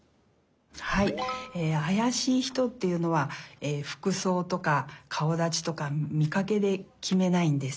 はいあやしい人っていうのはふくそうとかかおだちとかみかけできめないんです。